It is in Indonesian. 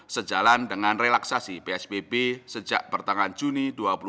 sejalan dengan relaksasi psbb sejak pertengahan juni dua ribu dua puluh